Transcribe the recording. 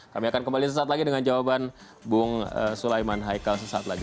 kami akan kembali sesaat lagi dengan jawaban bung sulaiman haikal sesaat lagi